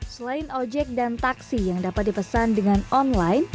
selain ojek dan taksi yang dapat dipesan dengan online